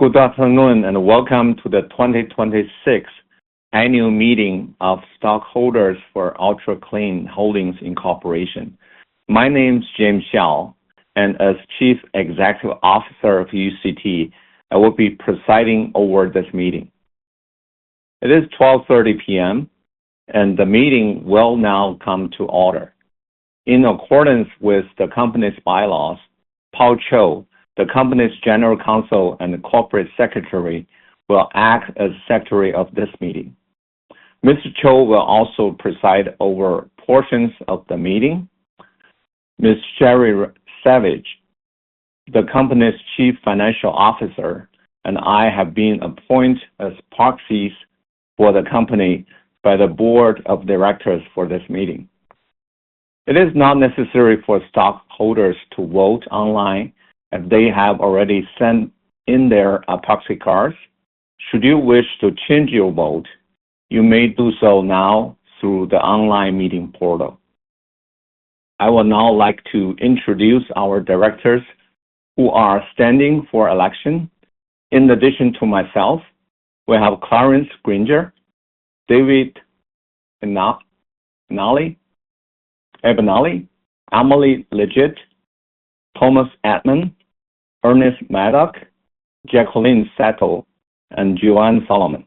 Good afternoon, welcome to the 2026 Annual Meeting of Stockholders for Ultra Clean Holdings, Inc. My name's James Xiao, and as Chief Executive Officer of UCT, I will be presiding over this meeting. It is 12:30 P.M., and the meeting will now come to order. In accordance with the company's bylaws, Paul Cho, the company's General Counsel and Corporate Secretary, will act as Secretary of this meeting. Mr. Cho will also preside over portions of the meeting. Ms. Sheri Savage, the company's Chief Financial Officer, and I have been appointed as proxies for the company by the Board of Directors for this meeting. It is not necessary for stockholders to vote online if they have already sent in their proxy cards. Should you wish to change your vote, you may do so now through the online meeting portal. I would now like to introduce our directors who are standing for election. In addition to myself, we have Clarence Granger, David Benelli, Emily Liggett, Thomas Edman, Ernest Maddock, Jacqueline Seto, and Joanne Solomon.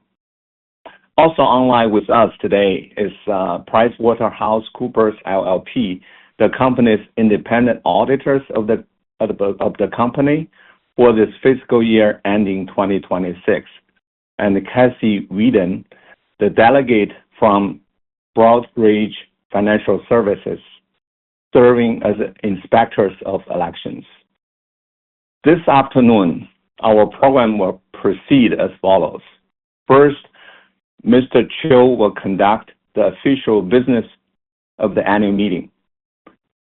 Also online with us today is PricewaterhouseCoopers LLP, the company's independent auditors of the company for this fiscal year ending 2026, and Cassie Weeden, the delegate from Broadridge Financial Solutions, Inc., serving as Inspectors of Elections. This afternoon, our program will proceed as follows. First, Mr. Cho will conduct the official business of the annual meeting.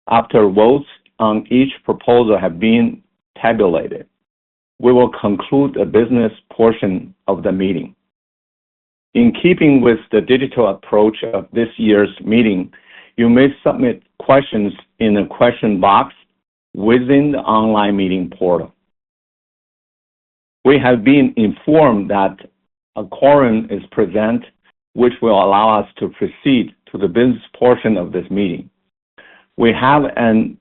After votes on each proposal have been tabulated, we will conclude the business portion of the meeting. In keeping with the digital approach of this year's meeting, you may submit questions in the question box within the online meeting portal. We have been informed that a quorum is present, which will allow us to proceed to the business portion of this meeting. We have an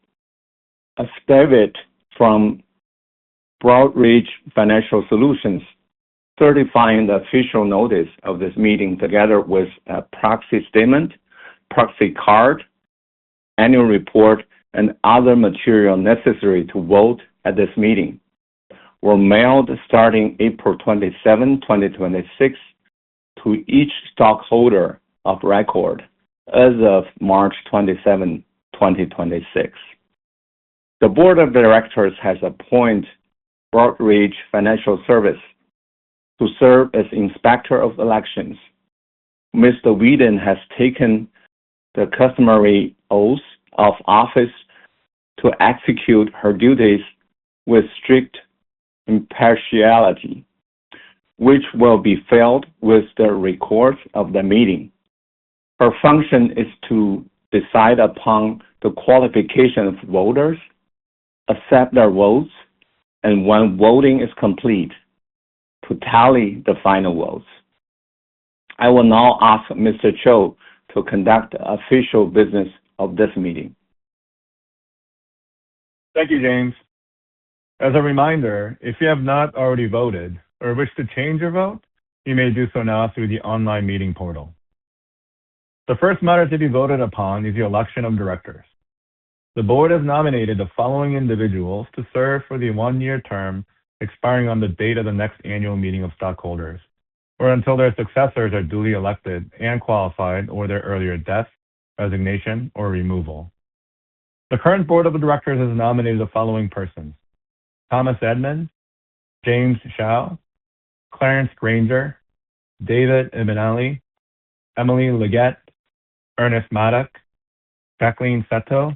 affidavit from Broadridge Financial Solutions certifying the official notice of this meeting, together with a proxy statement, proxy card, annual report, and other material necessary to vote at this meeting, were mailed starting April 27, 2026, to each stockholder of record as of March 27, 2026. The Board of Directors has appointed Broadridge Financial Services to serve as Inspector of Elections. Ms. Weeden has taken the customary oath of office to execute her duties with strict impartiality, which will be filed with the records of the meeting. Her function is to decide upon the qualification of voters, accept their votes, and when voting is complete, to tally the final votes. I will now ask Mr. Cho to conduct the official business of this meeting. Thank you, James. As a reminder, if you have not already voted or wish to change your vote, you may do so now through the online meeting portal. The first matter to be voted upon is the election of directors. The board has nominated the following individuals to serve for the one-year term expiring on the date of the next annual meeting of stockholders, or until their successors are duly elected and qualified, or their earlier death, resignation, or removal. The current board of directors has nominated the following persons: Thomas Edman, James Xiao, Clarence Granger, David Benelli, Emily Liggett, Ernest Maddock, Jacqueline Seto,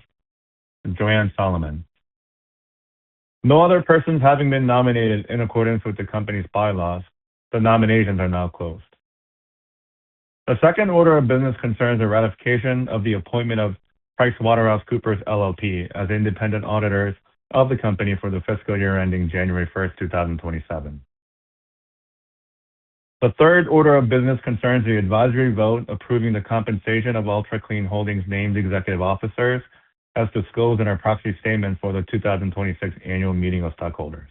and Joanne Solomon. No other persons having been nominated in accordance with the company's bylaws, the nominations are now closed. The second order of business concerns the ratification of the appointment of PricewaterhouseCoopers LLP as independent auditors of the company for the fiscal year ending January 1st, 2027. The third order of business concerns the advisory vote approving the compensation of Ultra Clean Holdings' named executive officers as disclosed in our proxy statement for the 2026 annual meeting of stockholders.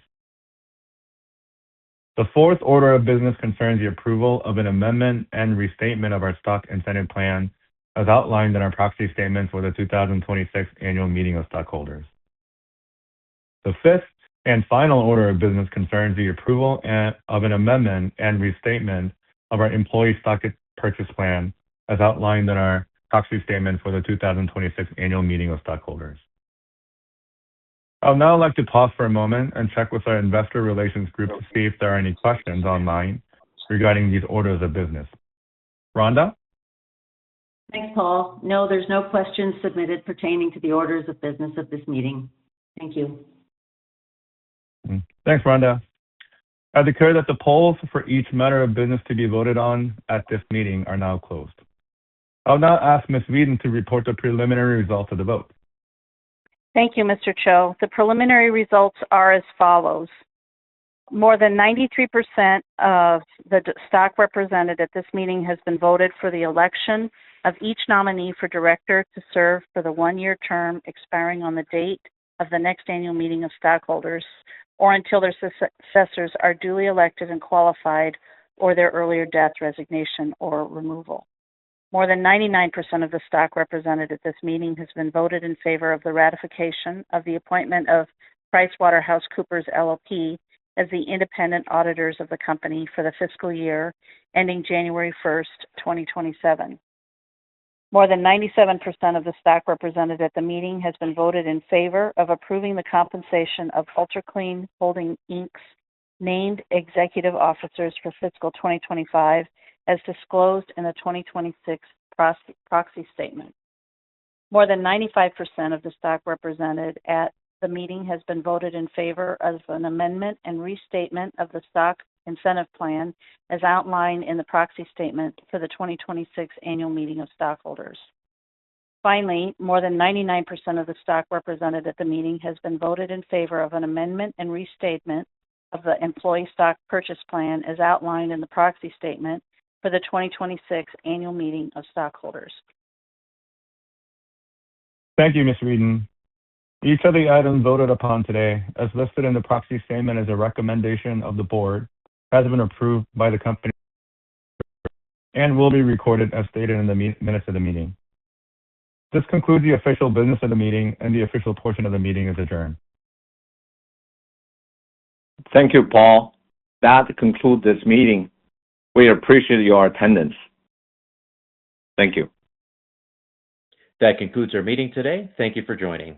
The fourth order of business concerns the approval of an amendment and restatement of our stock incentive plan as outlined in our proxy statement for the 2026 annual meeting of stockholders. The fifth and final order of business concerns the approval of an amendment and restatement of our employee stock purchase plan, as outlined in our proxy statement for the 2026 annual meeting of stockholders. I would now like to pause for a moment and check with our investor relations group to see if there are any questions online regarding these orders of business. Rhonda? Thanks, Paul. No, there's no questions submitted pertaining to the orders of business of this meeting. Thank you. Thanks, Rhonda. I declare that the polls for each matter of business to be voted on at this meeting are now closed. I'll now ask Ms. Weeden to report the preliminary results of the vote. Thank you, Mr. Cho. The preliminary results are as follows: more than 93% of the stock represented at this meeting has been voted for the election of each nominee for director to serve for the one-year term expiring on the date of the next annual meeting of stockholders, or until their successors are duly elected and qualified, or their earlier death, resignation, or removal. More than 99% of the stock represented at this meeting has been voted in favor of the ratification of the appointment of PricewaterhouseCoopers LLP as the independent auditors of the company for the fiscal year ending January 1st, 2027. More than 97% of the stock represented at the meeting has been voted in favor of approving the compensation of Ultra Clean Holdings, Inc.'s named executive officers for fiscal 2025, as disclosed in the 2026 proxy statement. More than 95% of the stock represented at the meeting has been voted in favor as an amendment and restatement of the stock incentive plan, as outlined in the proxy statement for the 2026 annual meeting of stockholders. Finally, more than 99% of the stock represented at the meeting has been voted in favor of an amendment and restatement of the employee stock purchase plan, as outlined in the proxy statement for the 2026 annual meeting of stockholders. Thank you, Ms. Weeden. Each of the items voted upon today, as listed in the proxy statement as a recommendation of the board, has been approved by the company and will be recorded as stated in the minutes of the meeting. This concludes the official business of the meeting and the official portion of the meeting is adjourned. Thank you, Paul. That concludes this meeting. We appreciate your attendance. Thank you. That concludes our meeting today. Thank you for joining.